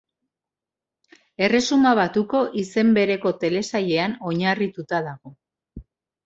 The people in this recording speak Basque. Erresuma Batuko izen bereko telesailean oinarrituta dago.